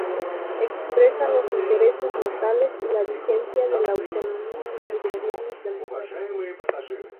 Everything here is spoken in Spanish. Expresa los intereses locales y la vigencia de la autonomía de sus gobiernos democráticos.